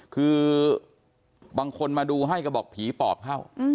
คือบางคนมาดูให้ก็บอกผีปอบเข้า